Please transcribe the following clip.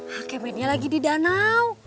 hah kemetnya lagi di danau